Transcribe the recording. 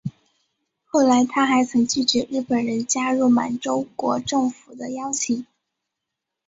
后来他还曾拒绝日本人加入满洲国政府的邀请。